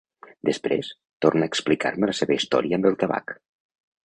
Després, torna a explicar-me la seva història amb el tabac.